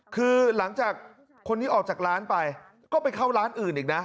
คือหลังจากคนนี้ออกจากร้านไปก็ไปเข้าร้านอื่นอีกนะ